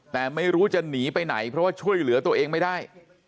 แต่ไม่รู้จะหนีไปไหนเพราะว่าช่วยเหลือตัวเองไม่ได้